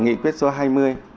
nghị quyết số hai mươi